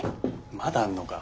まだあんのか。